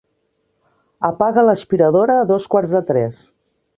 Apaga l'aspiradora a dos quarts de tres.